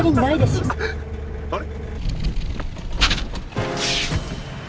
あれ？